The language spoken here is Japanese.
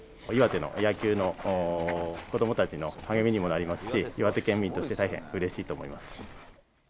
岩手の野球の子どもたちの励みにもなりますし、岩手県民として大変うれしいと思います。